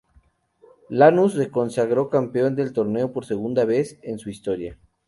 Lanús se consagró campeón del torneo por segunda vez en su historia.